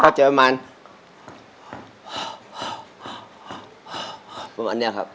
ก็เจอประมาณประมาณนี้ครับ